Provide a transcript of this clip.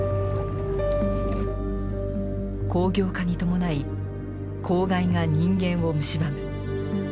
工業化に伴い公害が人間をむしばむ。